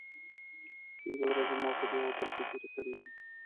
پنځه ورځې مو په دې هوټل کې تیرې کړې.